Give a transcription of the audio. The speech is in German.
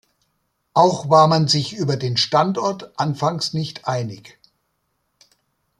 Auch war man sich über den Standort anfangs nicht einig.